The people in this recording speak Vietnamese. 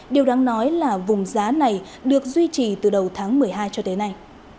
điều đáng nói là vùng giá này được duy trì từ đầu tháng một mươi hai cho tới nay